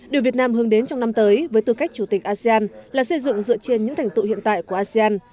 điều việt nam hướng đến trong năm tới với tư cách chủ tịch asean là xây dựng dựa trên những thành tựu hiện tại của asean